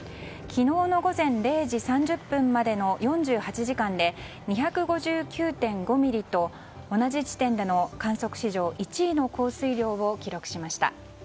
昨日の午前０時３０分までの４８時間で２５９．５ミリと同じ地点の観測史上１位の降水量を記録しました。